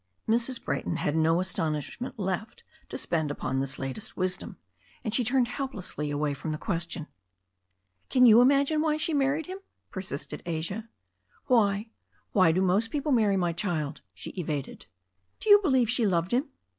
Mrs. Brayton had no astonishment left to spend upon this latest wisdom, and she turned helplessly away from thrf question. "Can ypu imagine why she married him?" persisted Asia. "Why — ^why do most people marry, my child ?" she evaded. "Do you believe she loved him?"